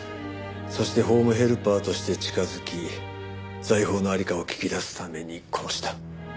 そしてホームヘルパーとして近づき財宝の在りかを聞き出すために殺した。